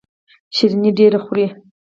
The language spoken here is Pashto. شیریني ډیره خورئ؟